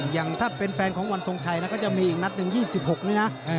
อย่างถ้าเป็นแฟนของวันทรงชัยแล้วก็จะมีอีกนัดหนึ่ง๒๖นี้นะ